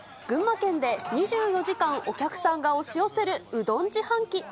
群馬県で２４時間お客さんが押し寄せるうどん自販機。